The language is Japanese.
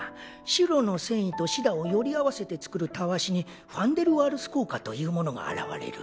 シュロの繊維とシダをより合わせて作るたわしにファンデルワールス効果というものが現れる。